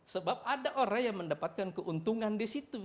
sebab ada orang yang mendapatkan keuntungan di situ